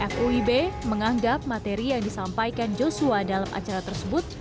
fuib menganggap materi yang disampaikan joshua dalam acara tersebut